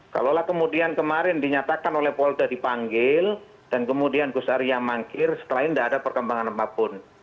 kalau lah kemudian kemarin dinyatakan oleh polda dipanggil dan kemudian gus arya mangkir setelah ini tidak ada perkembangan apapun